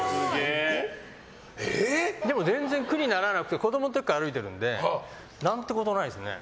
でも全然苦にならなくて子供の時から歩いてるので何てことないですね。